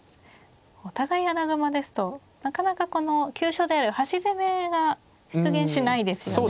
お互い穴熊ですとなかなかこの急所である端攻めが出現しないですよね。